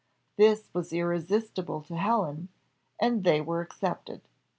This was irresistible to Helen, and they were accepted.